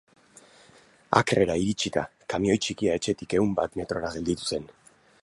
Akrera iritsita, kamioi txikia etxetik ehun bat metrora gelditu zen.